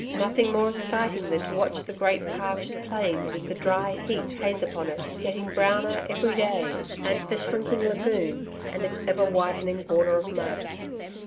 Nothing more exciting than to watch the great parched plain, with the dry heat haze upon it, getting browner every day, and the shrinking lagoon and its ever widening border of mud.